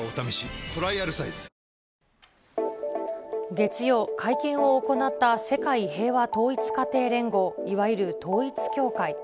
月曜、会見を行った世界平和統一家庭連合、いわゆる統一教会。